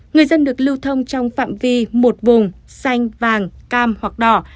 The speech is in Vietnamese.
người dân được lưu thông trong phạm vi một vùng xanh vàng cam hoặc đỏ